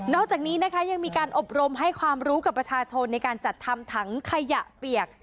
จากนี้นะคะยังมีการอบรมให้ความรู้กับประชาชนในการจัดทำถังขยะเปียก